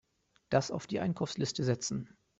Das auf die Einkaufsliste setzen.